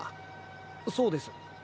そうです。